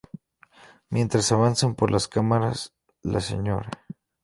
Mientras avanzan por las cámaras, la Sra.